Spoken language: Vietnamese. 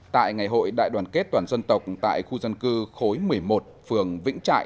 tại ngày hội đại đoàn kết toàn dân tộc tại khu dân cư khối một mươi một phường vĩnh trại